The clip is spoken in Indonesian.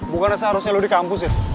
bukan seharusnya lo di kampus ya